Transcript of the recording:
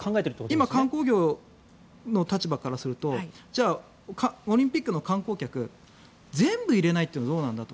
今観光業の立場からするとじゃあ、オリンピックの観光客全部入れないというのはどうなんだと。